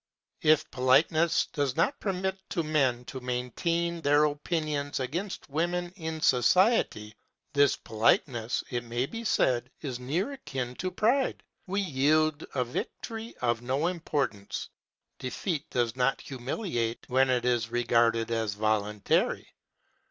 If politeness does not permit to men to maintain their opinions against women in society, this politeness, it may be said, is near akin to pride; we yield a victory of no importance; defeat does not humiliate when it is regarded as voluntary.